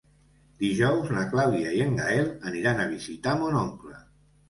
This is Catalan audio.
Dijous na Clàudia i en Gaël aniran a visitar mon oncle.